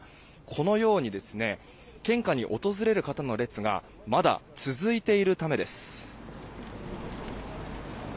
このように献花に訪れる方の列がまだ続いているためです。